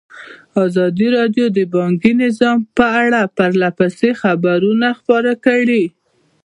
ازادي راډیو د بانکي نظام په اړه پرله پسې خبرونه خپاره کړي.